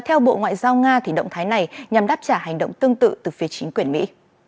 theo bộ ngoại giao nga động thái này nhằm đáp trả hành động tương tự từ phía chính quyền mỹ